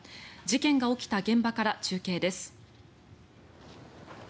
事件が起きた現場から中継です。